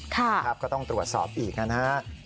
ก็ต้องตรวจสอบอีกนะครับ